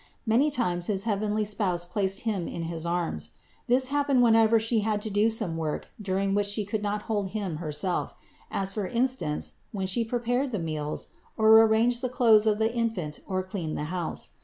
Many times his heavenly Spouse placed him in his arms. This hap pened whenever She had to do some work during which She could not hold Him herself; as for instance, when She prepared the meals, or arranged the clothes of the Infant or cleaned the house.